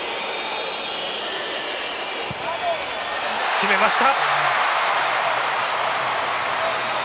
決めました。